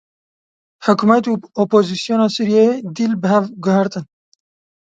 Hikûmet û opozisyona Sûriyeyê dîl bi hev guhertin.